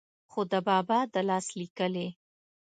خو دَبابا دَلاس ليکلې